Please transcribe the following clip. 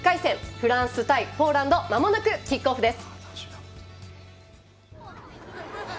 フランス対ポーランドまもなくキックオフです。